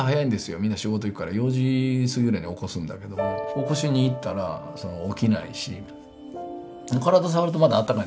みんな仕事行くから４時すぎぐらいに起こすんだけども起こしに行ったら起きないし体触るとまだあったかいんですよ